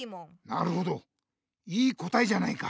なるほどいい答えじゃないか。